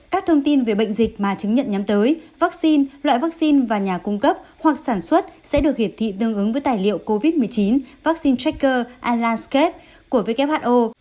các thông tin về bệnh dịch mà chứng nhận nhắm tới vaccine loại vaccine và nhà cung cấp hoặc sản xuất sẽ được hiển thị tương ứng với tài liệu covid một mươi chín vaccine tracker ila scab của who